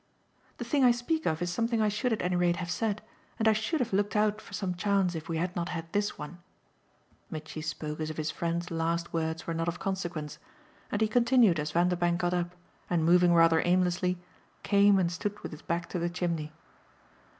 "The thing I speak of is something I should at any rate have said, and I should have looked out for some chance if we had not had this one." Mitchy spoke as if his friend's last words were not of consequence, and he continued as Vanderbank got up and, moving rather aimlessly, came and stood with his back to the chimney.